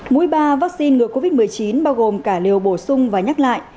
mũi ba vaccine ngừa covid một mươi chín bao gồm cả liều bổ sung và nhắc lại